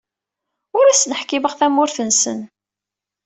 Ur asen-ḥkimeɣ tamurt-nsen.